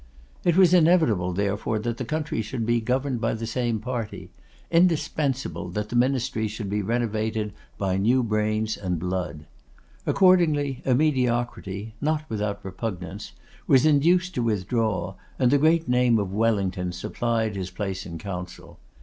It was inevitable, therefore, that the country should be governed by the same party; indispensable that the ministry should be renovated by new brains and blood. Accordingly, a Mediocrity, not without repugnance, was induced to withdraw, and the great name of Wellington supplied his place in council.